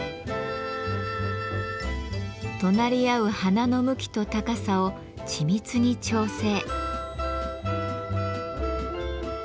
隣り合う花の向きと高さを緻密に調整。